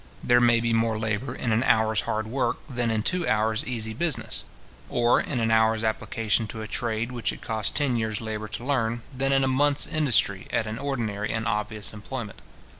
There may be more labour in an hour's hard work, than in two hours easy business; or in an hour's application to a trade which it cost ten years labour to learn, than in a month's industry, at an ordinary and obvious employment.